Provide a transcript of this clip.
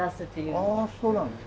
あそうなんですか。